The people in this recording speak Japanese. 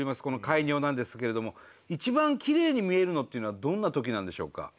このカイニョなんですけれども一番きれいに見えるのっていうのはどんなときなんでしょうか？